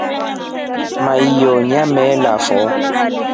Maiyo nyameelafo.